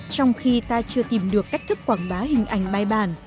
trong khi ta chưa tìm được cách thức quảng bá hình ảnh bài bản